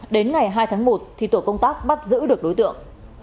đến ngày hai tháng một thì tổ công tác bắt giữ được đối tượng